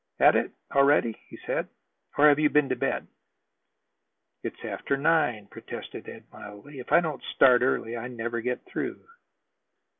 "At it, already," he said. "Or have you been to bed?" "It's after nine," protested Ed mildly. "If I don't start early, I never get through."